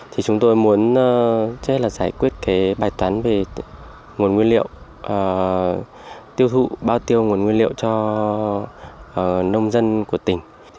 thì chúng tôi muốn chắc là giải quyết cái bài toán về nguồn nguyên liệu tiêu thụ bao tiêu nguồn nguyên liệu cho nông dân của tỉnh